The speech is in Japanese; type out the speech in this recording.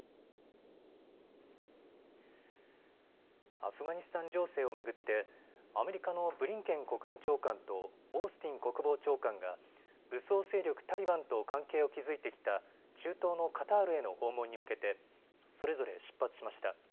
アフガニスタン情勢を巡ってアメリカのブリンケン国務長官とオースティン国防長官が武装勢力タリバンと関係を築いてきた中東のカタールへの訪問に向けてそれぞれ出発しました。